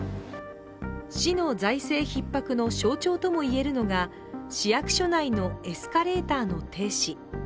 市の財政ひっ迫の象徴とも言えるのが市役所内のエスカレーターの停止。